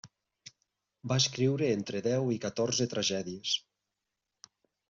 Va escriure entre deu i catorze tragèdies.